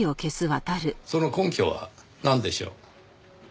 その根拠はなんでしょう？